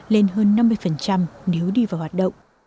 lên hơn năm mươi nếu đi vào hoạt động